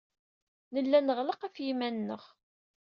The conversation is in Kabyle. Nella nɣelleq ɣef yiman-nneɣ.